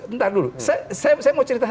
ntar dulu saya mau cerita